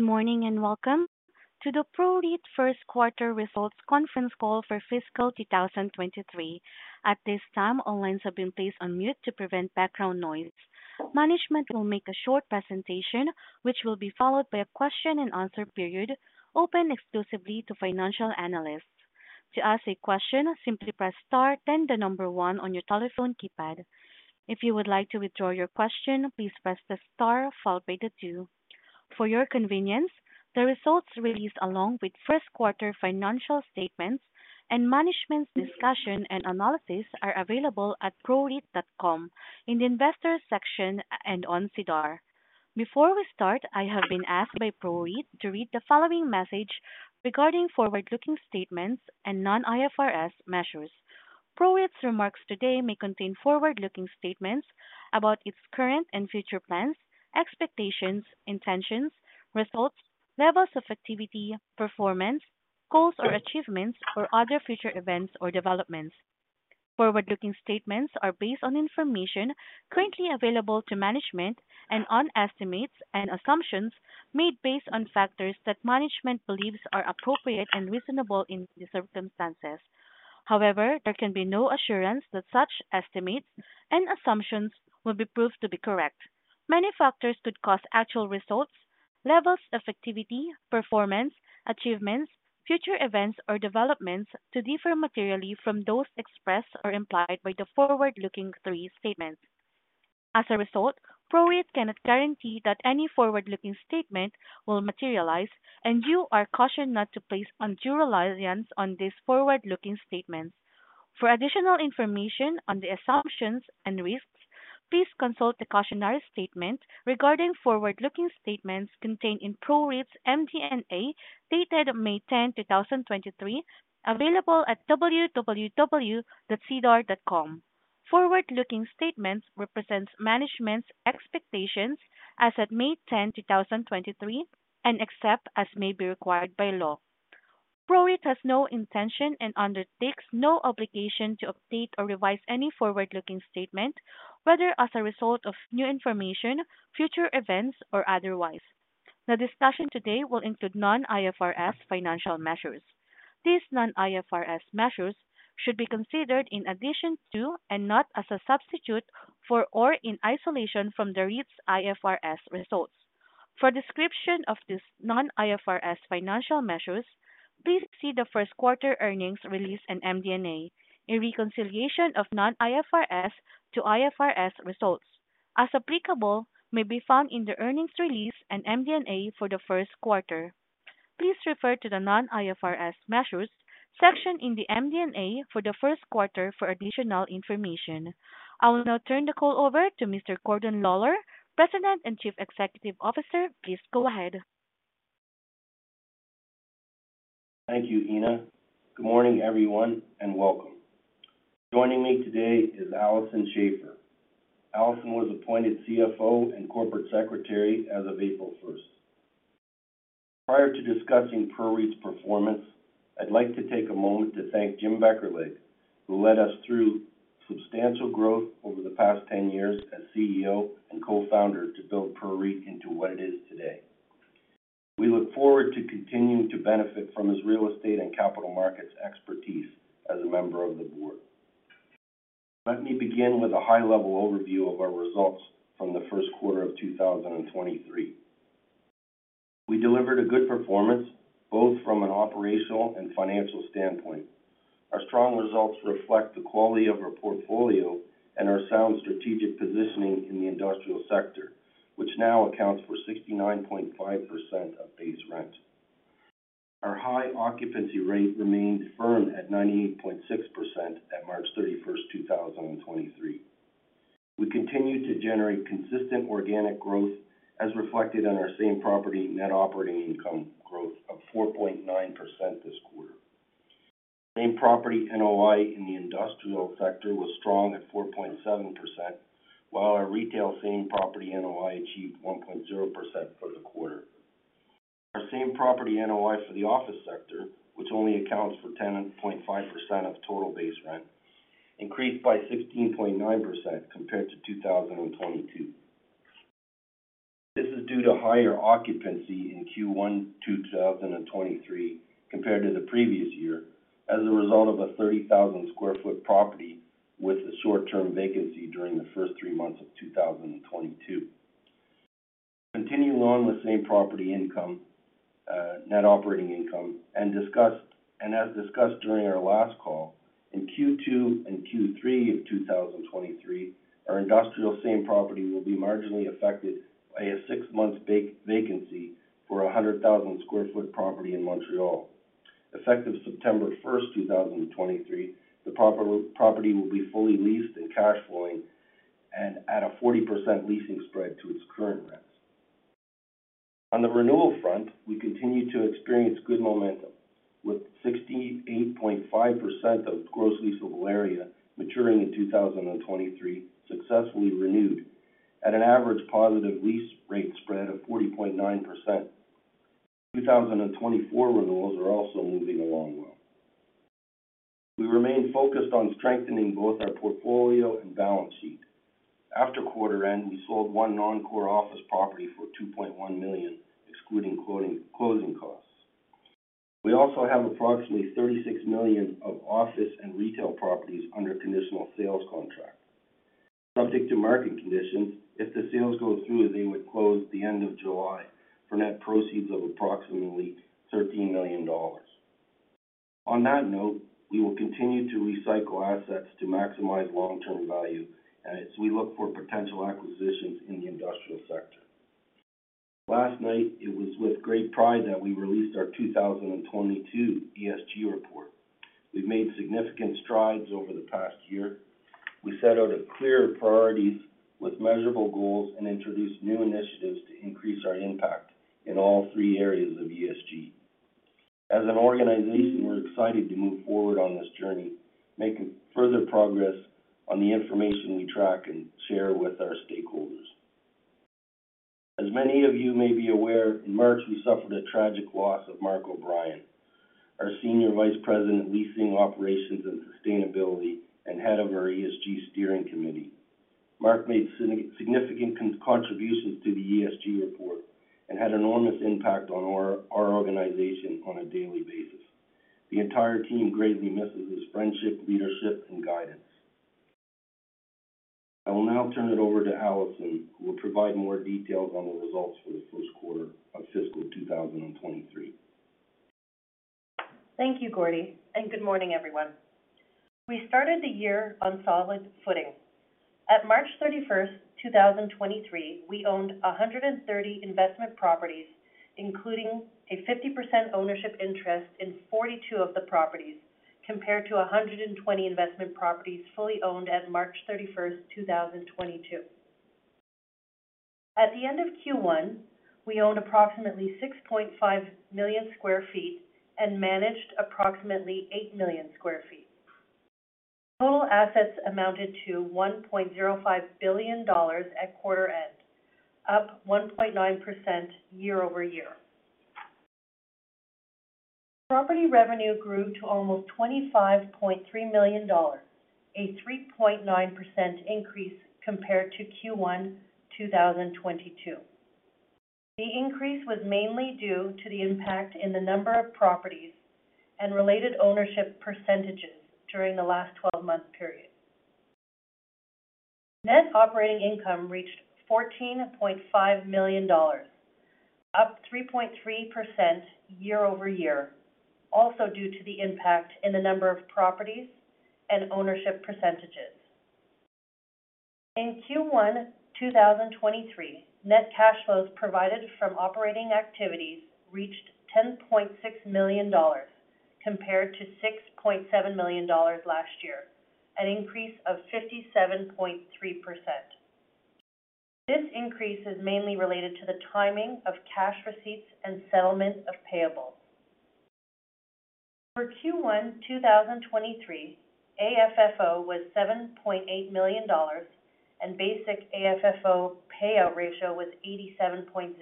Good morning, welcome to the PROREIT first quarter results conference call for fiscal 2023. At this time, all lines have been placed on mute to prevent background noise. Management will make a short presentation, which will be followed by a question-and-answer period, open exclusively to financial analysts. To ask a question, simply press star, then the one on your telephone keypad. If you would like to withdraw your question, please press the star followed by the two. For your convenience, the results released along with first quarter financial statements and management's discussion and analysis are available at PROREIT.com in the investor section and on SEDAR. Before we start, I have been asked by PROREIT to read the following message regarding forward-looking statements and non-IFRS measures. PROREIT's remarks today may contain forward-looking statements about its current and future plans, expectations, intentions, results, levels of activity, performance, goals or achievements or other future events or developments. Forward-looking statements are based on information currently available to management and on estimates and assumptions made based on factors that management believes are appropriate and reasonable in the circumstances. However, there can be no assurance that such estimates and assumptions will be proved to be correct. Many factors could cause actual results, levels of activity, performance, achievements, future events or developments to differ materially from those expressed or implied by the forward-looking three statements. As a result, PROREIT cannot guarantee that any forward-looking statement will materialize, and you are cautioned not to place undue reliance on these forward-looking statements. For additional information on the assumptions and risks, please consult the cautionary statement regarding forward-looking statements contained in PROREIT's MD&A dated May 10, 2023, available at www.sedar.com. Forward-looking statements represents management's expectations as at May 10, 2023, and except as may be required by law. PROREIT has no intention and undertakes no obligation to update or revise any forward-looking statement, whether as a result of new information, future events, or otherwise. The discussion today will include non-IFRS financial measures. These non-IFRS measures should be considered in addition to and not as a substitute for or in isolation from the REIT's IFRS results. For a description of these non-IFRS financial measures, please see the first quarter earnings release and MD&A. A reconciliation of non-IFRS to IFRS results, as applicable, may be found in the earnings release and MD&A for the first quarter. Please refer to the non-IFRS measures section in the MD&A for the first quarter for additional information. I will now turn the call over to Mr. Gordon Lawlor, President and Chief Executive Officer. Please go ahead. Thank you, Ina. Good morning, everyone, welcome. Joining me today is Alison Schafer. Alison was appointed CFO and Corporate Secretary as of April 1st. Prior to discussing PROREIT's performance, I'd like to take a moment to thank James Beckerleg, who led us through substantial growth over the past 10 years as CEO and Co-founder to build PROREIT into what it is today. We look forward to continuing to benefit from his real estate and capital markets expertise as a member of the board. Let me begin with a high-level overview of our results from the first quarter of 2023. We delivered a good performance, both from an operational and financial standpoint. Our strong results reflect the quality of our portfolio and our sound strategic positioning in the industrial sector, which now accounts for 69.5% of base rent. Our high occupancy rate remains firm at 98.6% at March 31st, 2023. We continue to generate consistent organic growth, as reflected in our Same Property Net Operating Income growth of 4.9% this quarter. Same Property NOI in the industrial sector was strong at 4.7%, while our retail Same Property NOI achieved 1.0% for the quarter. Our Same Property NOI for the office sector, which only accounts for 10.5% of total base rent, increased by 16.9% compared to 2022. This is due to higher occupancy in Q1, 2023 compared to the previous year as a result of a 30,000 sq ft property with a short-term vacancy during the first three months of 2022. Continuing on with same property income, Net Operating Income, and as discussed during our last call, in Q2 and Q3 of 2023, our industrial same property will be marginally affected by a six-month vacancy for a 100,000 sq ft property in Montreal. Effective September 1st, 2023, the property will be fully leased and cash flowing at a 40% leasing spread to its current rents. On the renewal front, we continue to experience good momentum, with 68.5% of gross leasable area maturing in 2023 successfully renewed at an average positive lease rate spread of 40.9%. 2024 renewals are also moving along well. We remain focused on strengthening both our portfolio and balance sheet. After quarter end, we sold one non-core office property for 2.1 million, excluding closing costs. We also have approximately 36 million of office and retail properties under conditional sales contract. Subject to market conditions, if the sales go through, they would close the end of July for net proceeds of approximately 13 million dollars. On that note, we will continue to recycle assets to maximize long-term value as we look for potential acquisitions in the industrial sector. Last night, it was with great pride that we released our 2022 ESG report. We've made significant strides over the past year. We set out a clear priorities with measurable goals and introduced new initiatives to increase our impact in all three areas of ESG. As an organization, we're excited to move forward on this journey, making further progress on the information we track and share with our stakeholders. As many of you may be aware, in March, we suffered a tragic loss of Mark O'Brien, our Senior Vice President, Leasing, Operations, and Sustainability, and head of our ESG Steering Committee. Mark made significant contributions to the ESG report and had enormous impact on our organization on a daily basis. The entire team greatly misses his friendship, leadership, and guidance. I will now turn it over to Alison, who will provide more details on the results for the first quarter of fiscal 2023. Thank you, Gordon. Good morning, everyone. We started the year on solid footing. At March 31st, 2023, we owned 130 investment properties, including a 50% ownership interest in 42 of the properties, compared to 120 investment properties fully owned at March 31st, 2022. At the end of Q1, we owned approximately 6.5 million sq ft and managed approximately 8 million sq ft. Total assets amounted to 1.05 billion dollars at quarter end, up 1.9% year-over-year. Property revenue grew to almost 25.3 million dollars, a 3.9% increase compared to Q1 2022. The increase was mainly due to the impact in the number of properties and related ownership percentages during the last 12-month period. Net operating income reached 14.5 million dollars, up 3.3% year-over-year, also due to the impact in the number of properties and ownership percentages. In Q1 2023, net cash flows provided from operating activities reached 10.6 million dollars compared to 6.7 million dollars last year, an increase of 57.3%. This increase is mainly related to the timing of cash receipts and settlement of payables. For Q1 2023, AFFO was 7.8 million dollars, and basic AFFO payout ratio was 87.0%,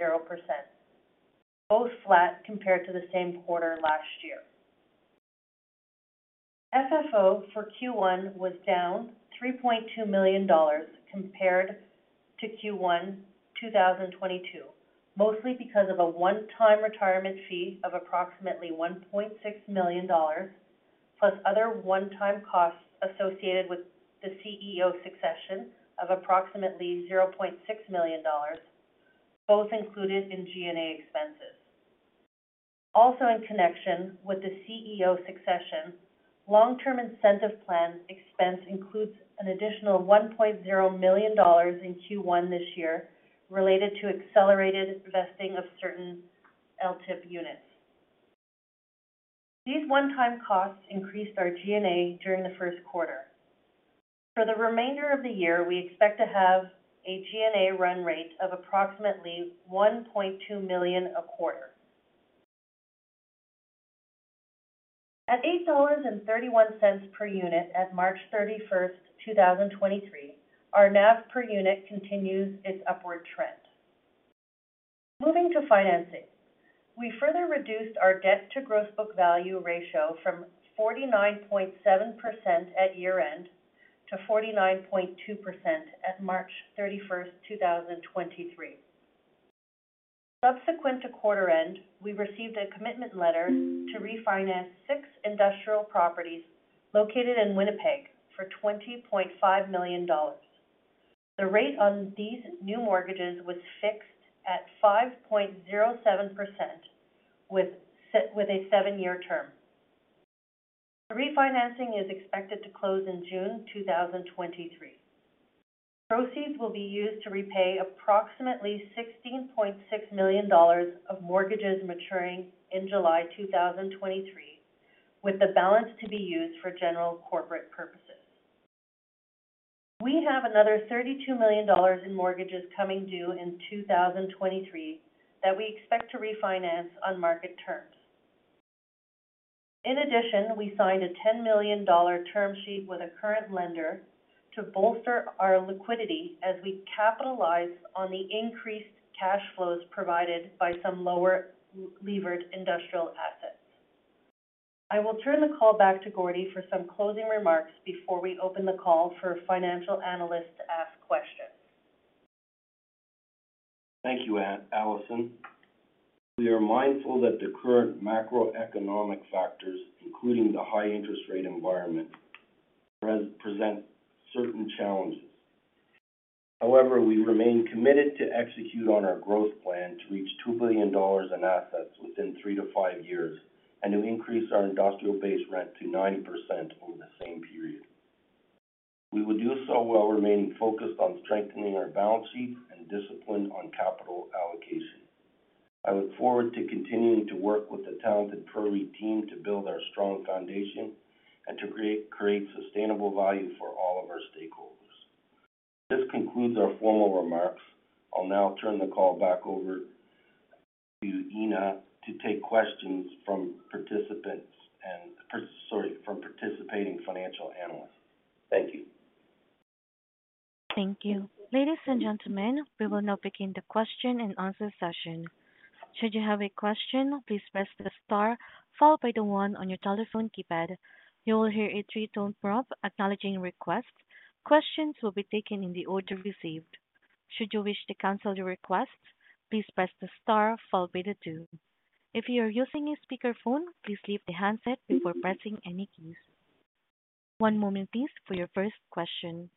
both flat compared to the same quarter last year. FFO for Q1 was down 3.2 million dollars compared to Q1 2022, mostly because of a one-time retirement fee of approximately 1.6 million dollars, plus other one-time costs associated with the CEO succession of approximately 0.6 million dollars, both included in G&A expenses. In connection with the CEO succession, long-term incentive plan expense includes an additional 1.0 million dollars in Q1 this year related to accelerated vesting of certain LTIP units. These one-time costs increased our G&A during the first quarter. For the remainder of the year, we expect to have a G&A run rate of approximately 1.2 million a quarter. At 8.31 dollars per unit at March 31, 2023, our NAV per unit continues its upward trend. Moving to financing. We further reduced our Debt to Gross Book Value ratio from 49.7% at year-end to 49.2% at March 31st, 2023. Subsequent to quarter end, we received a commitment letter to refinance six industrial properties located in Winnipeg for 20.5 million dollars. The rate on these new mortgages was fixed at 5.07% with a seven-year term. The refinancing is expected to close in June 2023. Proceeds will be used to repay approximately 16.6 million dollars of mortgages maturing in July 2023, with the balance to be used for general corporate purposes. We have another 32 million dollars in mortgages coming due in 2023 that we expect to refinance on market terms. In addition, we signed a 10 million dollar term sheet with a current lender. To bolster our liquidity as we capitalize on the increased cash flows provided by some lower levered industrial assets. I will turn the call back to Gordon for some closing remarks before we open the call for financial analysts to ask questions. Thank you, Allison. We are mindful that the current macroeconomic factors, including the high interest rate environment, present certain challenges. However, we remain committed to execute on our growth plan to reach 2 billion dollars in assets within three-five years, and to increase our industrial base rent to 90% over the same period. We will do so while remaining focused on strengthening our balance sheet and discipline on capital allocation. I look forward to continuing to work with the talented PROREIT team to build our strong foundation and to create sustainable value for all of our stakeholders. This concludes our formal remarks. I'll now turn the call back over to Ina to take questions from participants and from participating financial analysts. Thank you. Thank you. Ladies and gentlemen, we will now begin the question and answer session. Should you have a question, please press the star followed by the one on your telephone keypad. You will hear a three-tone prompt acknowledging requests. Questions will be taken in the order received. Should you wish to cancel your request, please press the star followed by the two. If you are using a speakerphone, please leave the handset before pressing any keys. One moment please for your first question.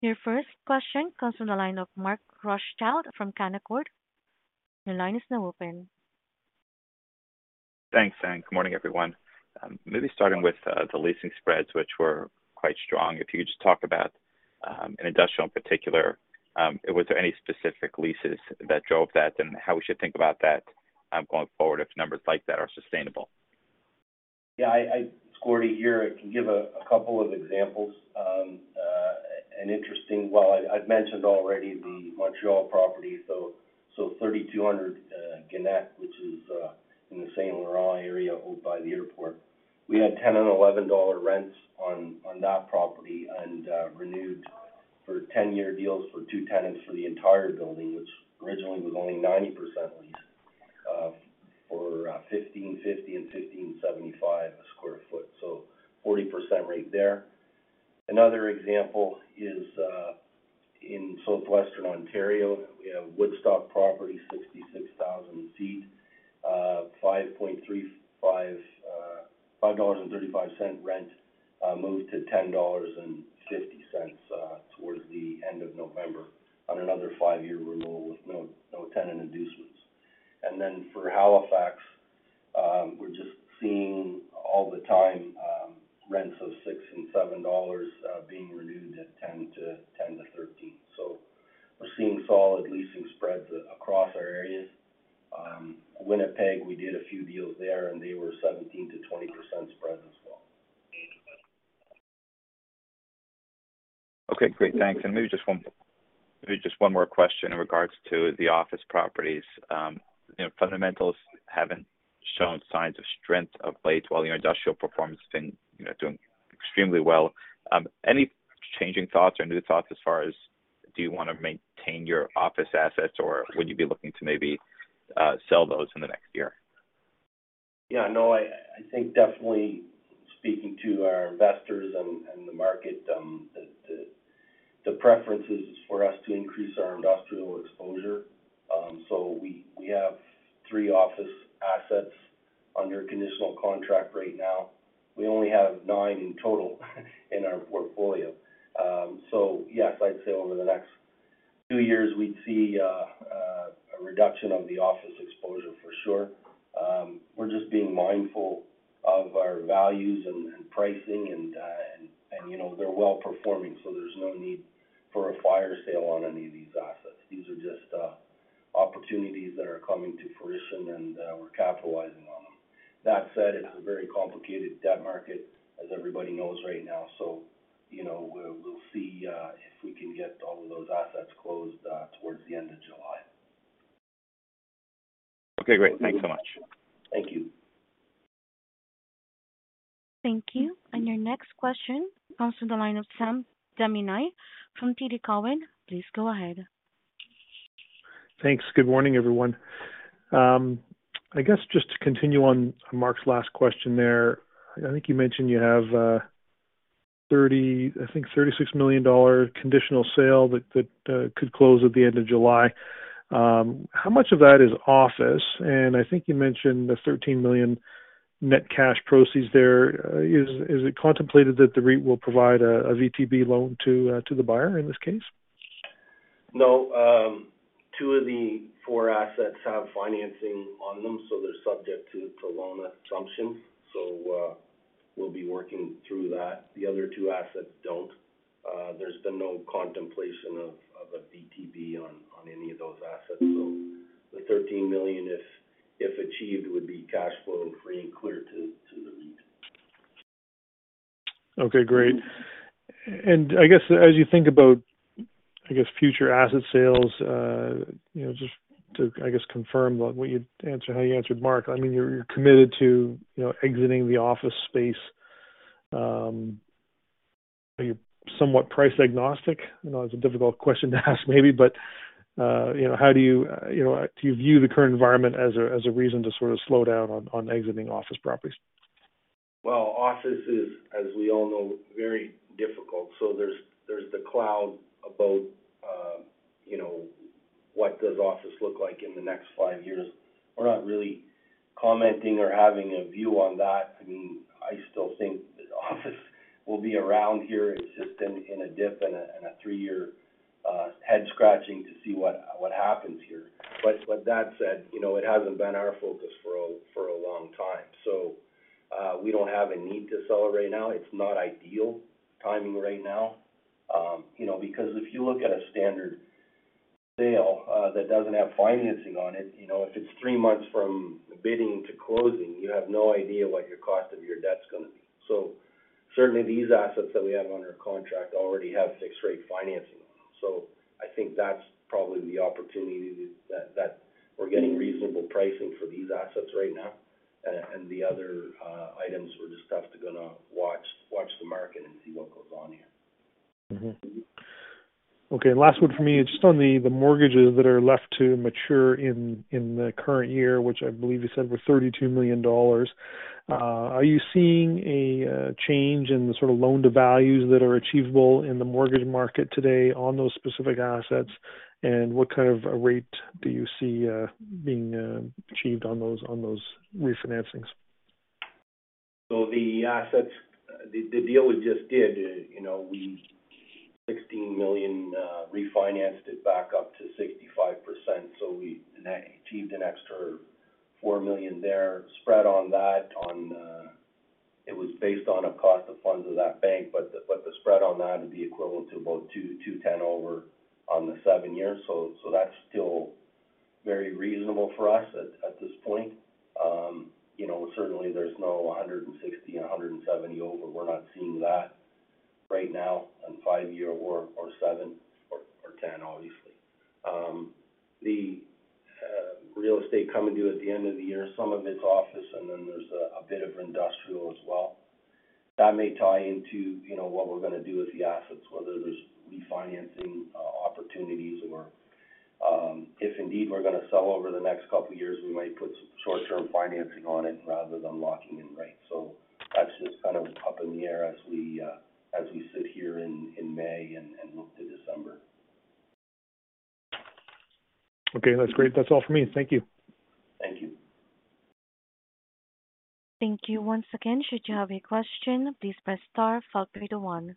Your first question comes from the line of Mark Rothschild from Canaccord. Your line is now open. Thanks. Good morning, everyone. Maybe starting with the leasing spreads, which were quite strong. If you could just talk about in industrial in particular, was there any specific leases that drove that and how we should think about that going forward if numbers like that are sustainable? I, it's Gordon here. I can give a couple of examples. Well, I'd mentioned already the Montreal property, 3,200 Gannett, which is in the Saint-Laurent area, owned by the airport. We had 10 and 11 dollar rents on that property and renewed for 10-year deals for two tenants for the entire building, which originally was only 90% leased for 15.50 and 15.75 a sq ft. 40% rate there. Another example is in Southwestern Ontario. We have Woodstock property, 66,000 feet. 5.35, CAD 5.35 rent moved to 10.50 dollars towards the end of November on another five-year renewal with no tenant inducements. For Halifax, we're just seeing all the time, rents of 6 and 7 dollars, being renewed at 10-13. We're seeing solid leasing spreads across our areas. Winnipeg, we did a few deals there, and they were 17%-20% spreads as well. Okay, great. Thanks. Maybe just one more question in regards to the office properties. You know, fundamentals haven't shown signs of strength of late while your industrial performance has been, you know, doing extremely well. Any changing thoughts or new thoughts as far as do you wanna maintain your office assets, or would you be looking to maybe sell those in the next year? No, I think definitely speaking to our investors and the market, the preference is for us to increase our industrial exposure. We have three office assets under conditional contract right now. We only have nine in total in our portfolio. Yes, I'd say over the next two years, we'd see a reduction of the office exposure for sure. We're just being mindful of our values and pricing and, you know, they're well-performing, so there's no need for a fire sale on any of these assets. These are just opportunities that are coming to fruition and that we're capitalizing on them. That said, it's a very complicated debt market as everybody knows right now. You know, we'll see if we can get all of those assets closed towards the end of July. Okay, great. Thanks so much. Thank you. Thank you. Your next question comes from the line of Sam Damiani from TD Cowen. Please go ahead. Thanks. Good morning, everyone. I guess just to continue on Mark's last question there. I think you mentioned you have, 30, I think 36 million dollar conditional sale that could close at the end of July. How much of that is office? I think you mentioned the 13 million net cash proceeds there. Is it contemplated that the REIT will provide a VTB loan to the buyer in this case? No. Two of the four assets have financing on them, they're subject to loan assumption. We'll be working through that. The other two assets don't. There's been no contemplation of a VTB on any of those assets. The 13 million, if achieved, would be cash flow and free and clear. Okay, great. I guess as you think about, I guess, future asset sales, you know, just to, I guess, confirm what you answer, how you answered Mark, I mean, you're committed to, you know, exiting the office space. Are you somewhat price agnostic? I know it's a difficult question to ask maybe, but, you know, how do you know, do you view the current environment as a reason to sort of slow down on exiting office properties? Office is, as we all know, very difficult. There's the cloud about, you know, what does office look like in the next five years. We're not really commenting or having a view on that. I mean, I still think the office will be around here. It's just been in a dip and a three-year head scratching to see what happens here. That said, you know, it hasn't been our focus for a long time. We don't have a need to sell it right now. It's not ideal timing right now. You know, because if you look at a standard sale, that doesn't have financing on it, you know, if it's three months from bidding to closing, you have no idea what your cost of your debt is gonna be. Certainly these assets that we have under contract already have fixed rate financing. I think that's probably the opportunity that we're getting reasonable pricing for these assets right now. The other items, we're just have to gonna watch the market and see what goes on here. Okay, last one for me. Just on the mortgages that are left to mature in the current year, which I believe you said were 32 million dollars. Are you seeing a change in the sort of loan-to-values that are achievable in the mortgage market today on those specific assets? What kind of a rate do you see being achieved on those refinancings? The assets-- the deal we just did, you know, we 16 million, refinanced it back up to 65%, so we achieved an extra 4 million there. Spread on that on, it was based on a cost of funds of that bank. The spread on that would be equivalent to about two-10 over on the seven years. That's still very reasonable for us at this point. You know, certainly there's no 160 and 170 over. We're not seeing that right now on five year or seven or 10, obviously. The, real estate coming due at the end of the year, some of it's office and then there's a bit of industrial as well. That may tie into, you know, what we're gonna do with the assets, whether there's refinancing opportunities or, if indeed we're gonna sell over the next couple of years, we might put short-term financing on it rather than locking in rates. That's just kind of up in the air as we sit here in May and look to December. Okay, that's great. That's all for me. Thank you. Thank you. Thank you. Once again, should you have a question, please press star followed by the one.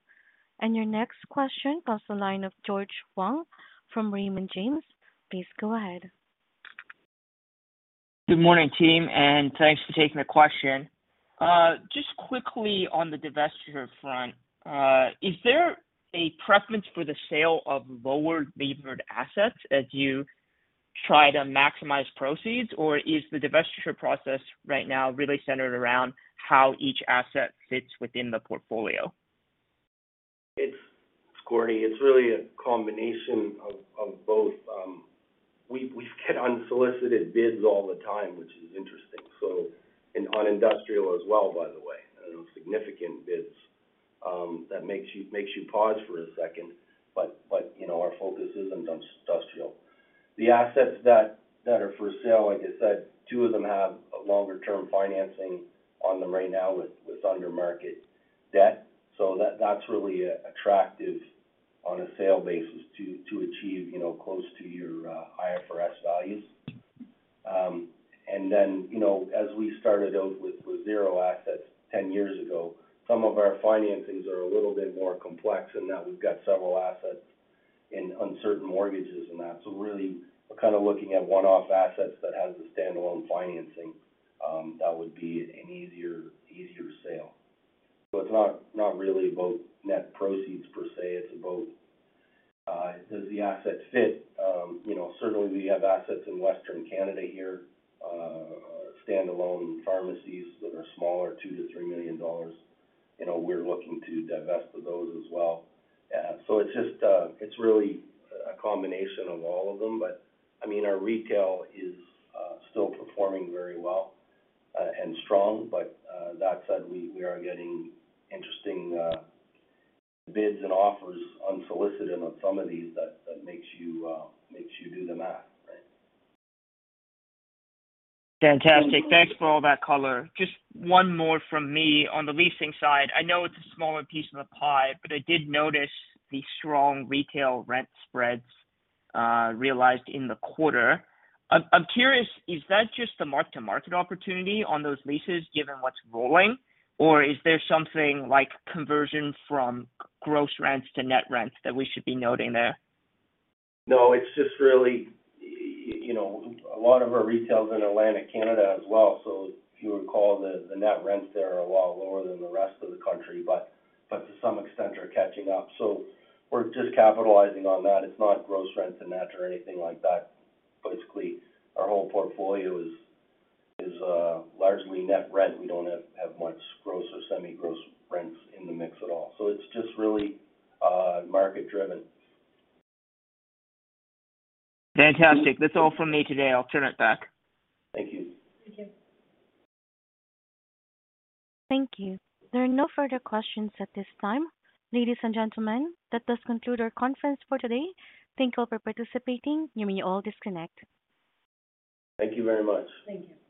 Your next question comes the line of George Huang from Raymond James. Please go ahead. Good morning, team, and thanks for taking the question. Just quickly on the divestiture front, is there a preference for the sale of lower levered assets as you try to maximize proceeds? Or is the divestiture process right now really centered around how each asset fits within the portfolio? It's really a combination of both. We've get unsolicited bids all the time, which is interesting. And on industrial as well, by the way. You know, significant bids, that makes you pause for a second. Our focus is on industrial. The assets that are for sale, like I said, two of them have a longer term financing on them right now with under market debt. That's really attractive on a sale basis to achieve, you know, close to your IFRS values. Then, you know, as we started out with zero assets 10 years ago, some of our financings are a little bit more complex in that we've got several assets in uncertain mortgages and that. Really we're kind of looking at one-off assets that has the standalone financing, that would be an easier sale. It's not really about net proceeds per se, it's about, does the asset fit? you know, certainly we have assets in Western Canada here, standalone pharmacies that are smaller, 2 million-3 million dollars. You know, we're looking to divest of those as well. So it's just, it's really a combination of all of them. I mean, our retail is still performing very well, and strong. That said, we are getting interesting bids and offers unsolicited on some of these that makes you do the math, right? Fantastic. Thanks for all that color. Just one more from me. On the leasing side, I know it's a smaller piece of the pie, but I did notice the strong retail rent spreads realized in the quarter. I'm curious, is that just the mark to market opportunity on those leases given what's rolling? Or is there something like conversion from gross rents to net rents that we should be noting there? No, it's just really, you know, a lot of our retail is in Atlantic Canada as well. If you recall the net rents there are a lot lower than the rest of the country, but to some extent are catching up. We're just capitalizing on that. It's not gross rent to net or anything like that. Basically, our whole portfolio is largely net rent. We don't have much gross or semi-gross rents in the mix at all. It's just really market-driven. Fantastic. That's all from me today. I'll turn it back. Thank you. Thank you. Thank you. There are no further questions at this time. Ladies and gentlemen, that does conclude our conference for today. Thank you all for participating. You may all disconnect. Thank you very much. Thank you.